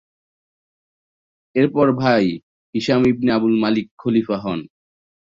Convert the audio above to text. এরপর তার ভাই হিশাম ইবনে আবদুল মালিক খলিফা হন।